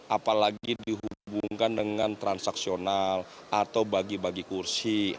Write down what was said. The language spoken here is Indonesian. apalagi dihubungkan dengan transaksional atau bagi bagi kursi